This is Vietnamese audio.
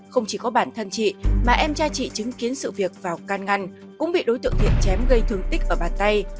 không chỉ có bản thân chị mà em trai chị chứng kiến sự việc vào can ngăn cũng bị đối tượng hiệp chém gây thương tích ở bàn tay